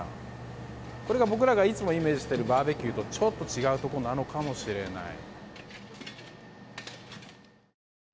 これが僕らがいつもイメージしているバーベキューとちょっと違うところなのかもしれない。